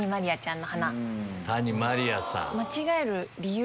谷まりあさん。